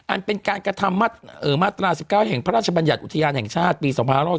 อันเป็นการกระทำมาตรา๑๙แห่งพระราชบัญญัติอุทยานแห่งชาติปี๒๕๖๒